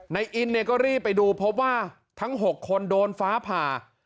ในอินเนี่ยก็รีบไปดูพบว่าทั้ง๖คนโดนฟ้าผ่า